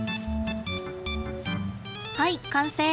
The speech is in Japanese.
はい完成！